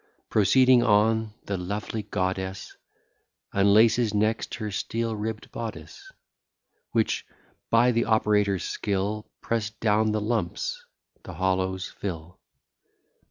Proceeding on, the lovely goddess Unlaces next her steel ribb'd bodice, Which, by the operator's skill, Press down the lumps, the hollows fill.